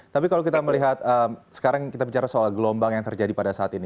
tapi kalau kita melihat sekarang kita bicara soal gelombang yang terjadi pada saat ini